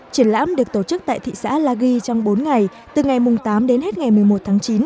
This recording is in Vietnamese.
triển lãm được tổ chức tại thị xã la ghi trong bốn ngày từ ngày tám đến hết ngày một mươi một tháng chín